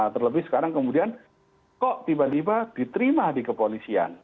terlebih sekarang kemudian kok tiba tiba diterima di kepolisian